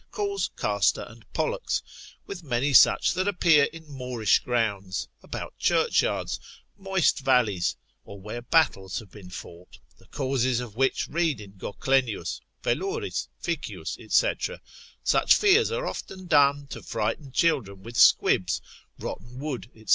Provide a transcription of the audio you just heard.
calls Castor and Pollux, with many such that appear in moorish grounds, about churchyards, moist valleys, or where battles have been fought, the causes of which read in Goclenius, Velouris, Fickius, &c. such fears are often done, to frighten children with squibs, rotten wood, &c.